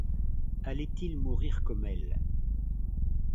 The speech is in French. Allait-il mourir comme elle ?